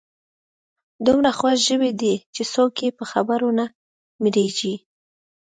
دومره خوږ ژبي دي چې څوک یې په خبرو نه مړیږي.